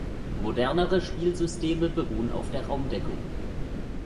Modernere Spielsysteme beruhen auf der Raumdeckung.